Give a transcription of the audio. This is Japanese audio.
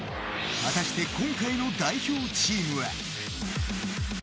果たして、今回の代表チームは。